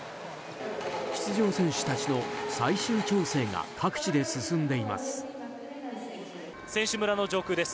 出場選手たちの最終調整が各地で進んでいます。